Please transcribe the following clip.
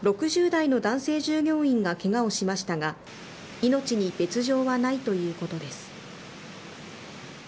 ６０代の男性従業員がけがをしましたが、命に別状はないということです。